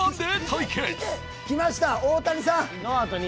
きました大谷さん。